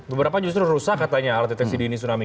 beberapa justru rusak katanya alat deteksi dini tsunami